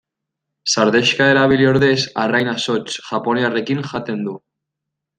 Sardexka erabili ordez arraina zotz japoniarrekin jaten du.